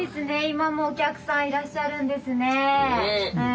今もお客さんいらっしゃるんですね。